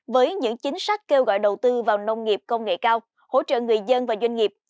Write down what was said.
với những chính sách kêu gọi đầu tư vào nông nghiệp công nghệ cao hỗ trợ người dân và doanh nghiệp